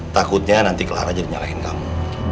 takutnya nanti clara jadi nyalahin kamu